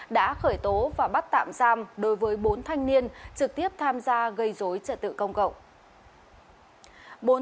đã khởi tố và bắt tạm giam đối với bốn thanh niên trực tiếp tham gia gây dối trật tự công cộng